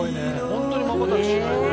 ホントにまばたきしないね。